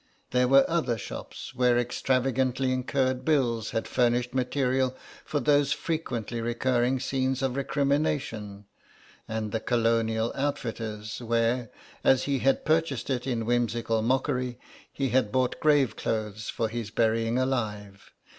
There were other shops where extravagantly incurred bills had furnished material for those frequently recurring scenes of recrimination, and the Colonial outfitters, where, as he had phrased it in whimsical mockery, he had bought grave clothes for his burying alive.